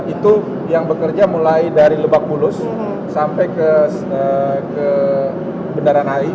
itu yang bekerja mulai dari lebak mulus sampai ke bendana nai